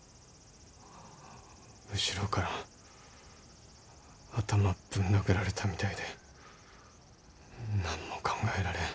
後ろから頭ぶん殴られたみたいでなんも考えられん。